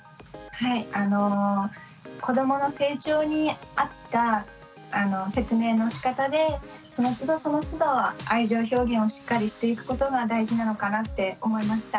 子どもの成長に合った説明のしかたでそのつどそのつど愛情表現をしっかりしていくことが大事なのかなって思いました。